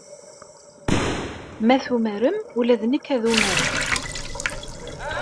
Ma tumarem, ula d nekk ad umareɣ.